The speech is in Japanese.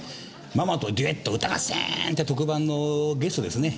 『ママとデュエット歌合戦！』って特番のゲストですね。